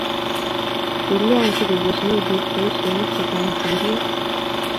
kilyan si kuukochini biik boisionik che chang' sigiriet